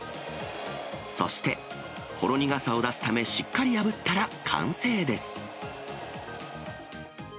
そして、ほろ苦さを出すため、しっかりあぶったら完成です。